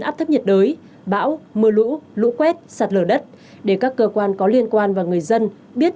áp thấp nhiệt đới bão mưa lũ lũ quét sạt lở đất để các cơ quan có liên quan và người dân biết